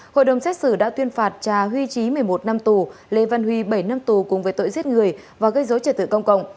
hội đồng xét xử đã tuyên phạt cha huy trí một mươi một năm tù lê văn huy bảy năm tù cùng với tội giết người và gây dối trật tự công cộng